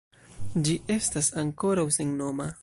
Ĝi estas ankoraŭ sennoma.